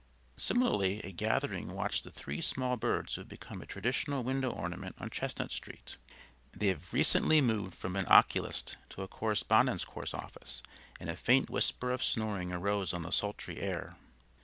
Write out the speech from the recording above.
Similarly a gathering watched the three small birds who have become a traditional window ornament on Chestnut Street (they have recently moved from an oculist to a correspondence course office) and a faint whisper of snoring arose on the sultry air.